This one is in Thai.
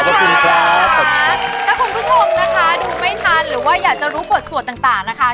ดูไม่ทันหรือว่าอยากจะรู้ปลดสวดต่างนะคะ